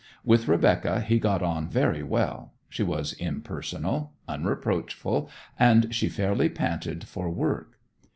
With Rebecca he got on very well; she was impersonal, unreproachful, and she fairly panted for work.